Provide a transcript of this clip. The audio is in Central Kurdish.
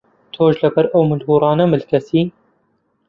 تۆش لەبەر ئەو ملهوڕانە ملکەچی؟